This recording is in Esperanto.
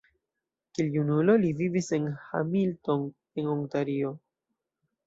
Kiel junulo li vivis en Hamilton en Ontario.